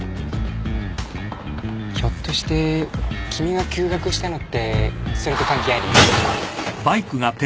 ひょっとして君が休学したのってそれと関係あり？